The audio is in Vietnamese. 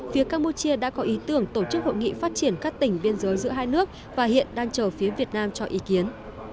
phía campuchia đã có ý tưởng tổ chức hội nghị phát triển các tỉnh biên giới giữa hai nước và hiện đang chờ phía việt nam cho ý kiến